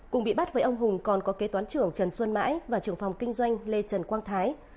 cùng bị bắt với ông hùng còn có kế toán trưởng trần xuân mãi và trưởng phòng kinh doanh lê trần quang thái